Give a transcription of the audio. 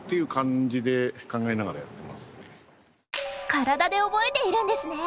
体で覚えているんですね。